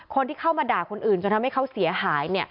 คนที่เข้ามาด่าคนอื่นจนทำให้เขาเสียหาย